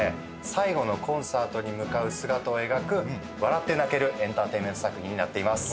最後のコンサートに向かう姿を描く笑って泣けるエンターテインメント作品になっています。